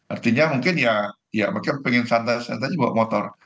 artinya mungkin ya mereka pengen santai santai bawa motor